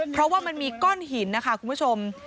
เพราะว่ามันมีก้อนหินนะคะคุณผู้ชม